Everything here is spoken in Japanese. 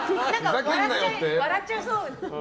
笑っちゃいそうだよね。